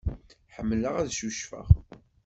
Ḥemmleɣ ad cucfeɣ.